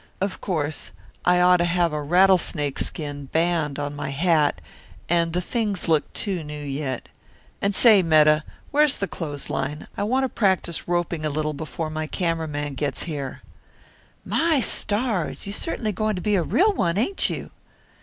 "Of course I ought to have a rattlesnake skin band on my hat, and the things look too new yet. And say, Metta, where's the clothesline? I want to practise roping a little before my camera man gets here." "My stars! You're certainly goin' to be a real one, ain't you?"